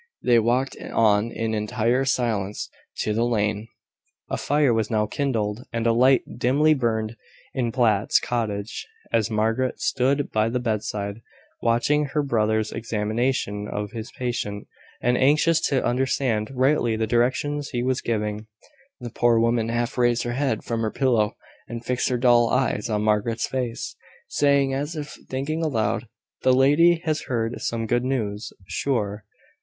They walked on in entire silence to the lane. A fire was now kindled, and a light dimly burned in Platt's cottage. As Margaret stood by the bedside, watching her brother's examination of his patient, and anxious to understand rightly the directions he was giving, the poor woman half raised her head from her pillow, and fixed her dull eyes on Margaret's face, saying, as if thinking aloud: "The lady has heard some good news, sure.